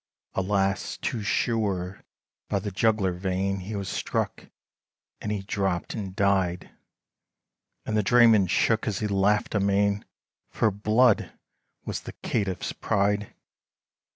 Alas! too sure, by the jugular vein, He was struck, and he dropped and died, And the drayman shook, as he laughed amain, For blood was the caitiff's pride!